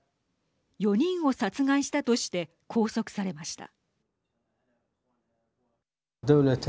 ４人を殺害したとして拘束されました。